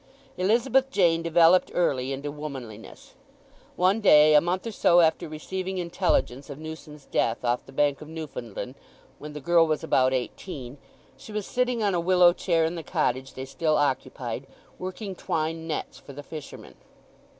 Elizabeth Jane developed early into womanliness. One day a month or so after receiving intelligence of Newson's death off the Bank of Newfoundland, when the girl was about eighteen, she was sitting on a willow chair in the cottage they still occupied, working twine nets for the fishermen.